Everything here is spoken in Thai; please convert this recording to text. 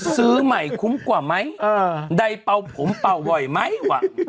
ซื้อใหม่คุ้มกว่าไหมใดเป่าผมเป่าบ่อยไหมว่ะ